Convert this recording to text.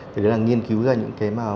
thì đang nghiên cứu ra những cái